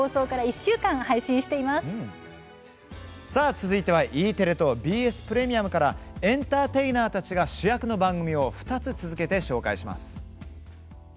続いてはＥテレとＢＳプレミアムからエンターテイナーたちが主役の番組を２つ続けて紹介します。